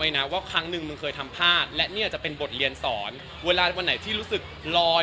เวลาไหนรู้สึกลอย